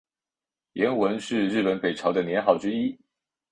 延文是日本北朝的年号之一。